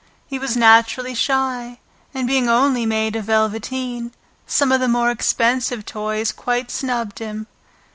He was naturally shy, and being only made of velveteen, some of the more expensive toys quite snubbed him.